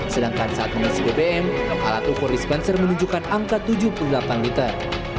sedangkan saat mengisi bbm alat ufor dispenser menunjukkan angka tujuh puluh delapan liter